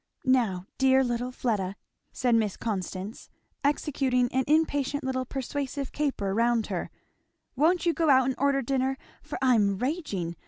Now dear little Fleda," said Miss Constance, executing an impatient little persuasive caper round her, "won't you go out and order dinner? for I'm raging.